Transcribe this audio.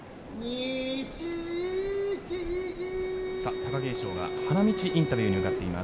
貴景勝が花道インタビューに向かっています。